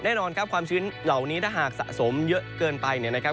แน่นอนครับความชื้นเหล่านี้ถ้าหากสะสมเยอะเกินไปเนี่ยนะครับ